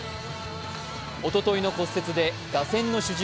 おとといの骨折で打線の主軸